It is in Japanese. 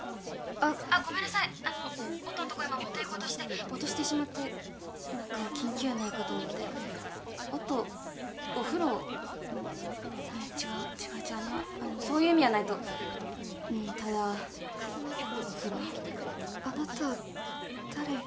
☎あっごめんなさい音のとこ今持っていこうとして落としてしまって何か緊急やないかと思って音お風呂に違う違う違うあのそういう意味やないとうんただお風呂あなた誰？